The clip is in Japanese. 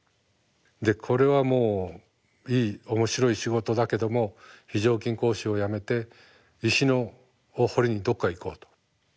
でこれはもういい面白い仕事だけども非常勤講師を辞めて石を彫りにどっか行こうと。